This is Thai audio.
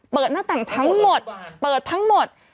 เปิดหน้าต่างทั้งหมด